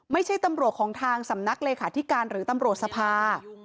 ไม่ใช่ตำรวจของทางสำนักเลขาธิการหรือตำรวจสภา